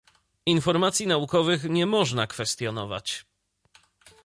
Informacji naukowych nie można kwestionować